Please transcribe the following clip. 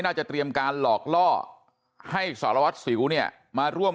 เตรียมการหลอกล่อให้สารวัตรสิวเนี่ยมาร่วม